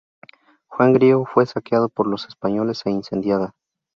Juan Griego fue saqueada por los españoles e incendiada.